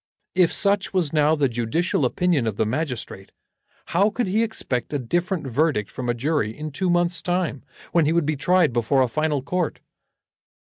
If such was now the judicial opinion of the magistrate, how could he expect a different verdict from a jury in two months' time, when he would be tried before a final court?